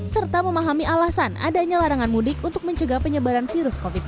serta memahami alasan adanya larangan mudik untuk mencegah penyebaran virus covid sembilan belas